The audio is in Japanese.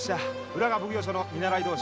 浦賀奉行所の見習い同心。